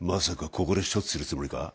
ここで処置するつもりか？